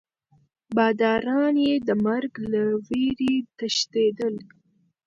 باداران یې د مرګ له ویرې تښتېدل.